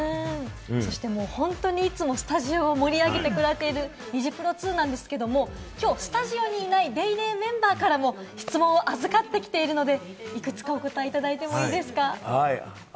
本当にいつもスタジオを盛り上げていただいている、ニジプロ２なんですけれども、きょうスタジオにスタジオにいない『ＤａｙＤａｙ．』メンバーからも質問を預かってきているので、いくつか答えてもらってもいいですか？